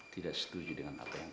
tidak setuju dengan apa yang